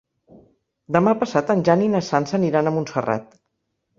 Demà passat en Jan i na Sança aniran a Montserrat.